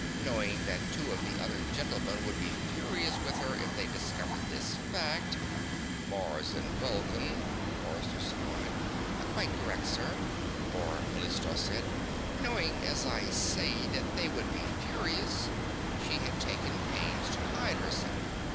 Knowing that two of the other gentlemen would be furious with her if they discovered this fact " "Mars and Vulcan," Forrester supplied. "Quite correct, sir," Bor Mellistos said. "Knowing, as I say, that they would be furious, she had taken special pains to hide herself.